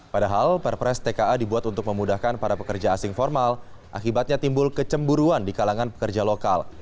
padahal perpres tka dibuat untuk memudahkan para pekerja asing formal akibatnya timbul kecemburuan di kalangan pekerja lokal